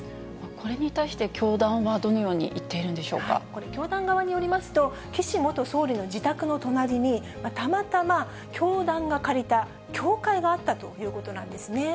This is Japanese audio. これに対して、教団はどのよこれ、教団側によりますと、岸元総理の自宅の隣に、たまたま教団が借りた教会があったということなんですね。